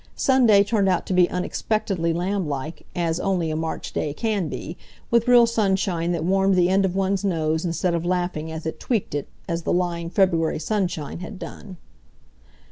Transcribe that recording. Sunday turned out to be unexpectedly lamblike, as only a March day can be, with real sunshine that warmed the end of one's nose instead of laughing as it tweaked it, as the lying February sunshine had done.